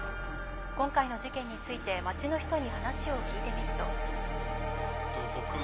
今回の事件について街の人に話を聞いてみると。